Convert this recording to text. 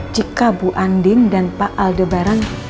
jika bu andin dan pak aldebaran